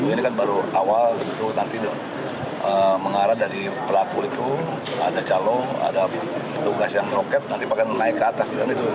ini kan baru awal nanti mengarah dari pelaku itu ada calon ada tugas yang roket nanti pakai naik ke atas